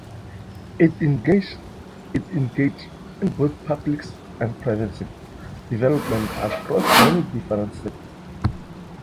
It engages in both public and private sector development across many different sectors.